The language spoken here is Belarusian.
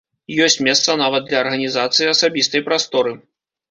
Ёсць месца нават для арганізацыі асабістай прасторы.